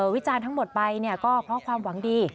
วิจารณ์ทั้งหมดไปก็เพราะความหวังดี